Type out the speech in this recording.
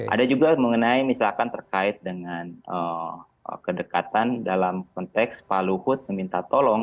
ada juga mengenai misalkan terkait dengan kedekatan dalam konteks pak luhut meminta tolong